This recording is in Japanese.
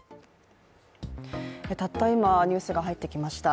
たった今、ニュースが入ってきました。